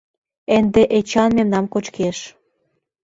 — Ынде Эчан мемнам кочкеш.